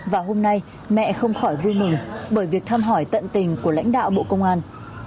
và hôm nay mẹ không khỏi vui mừng bởi việc thăm hỏi tận tình của lãnh đạo bộ công an